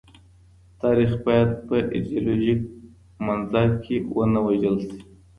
تاریخ باید په ایډیالوژیک منظر کي ونه وژل سي.